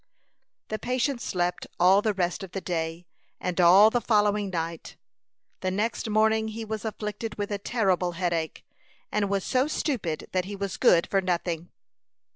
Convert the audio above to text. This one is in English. The patient slept all the rest of the day and all the following night. The next morning he was afflicted with a terrible headache, and was so stupid that he was good for nothing.